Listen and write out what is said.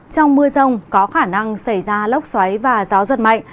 trong mưa rông có khả năng xảy ra lốc xoáy và gió giật mạnh